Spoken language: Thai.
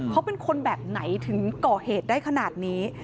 เขาเป็นคนแบบไหนถึงก่อเหตุได้ขนาดนี้